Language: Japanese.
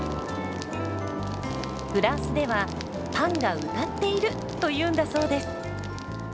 フランスでは「パンが歌っている！」というんだそうです。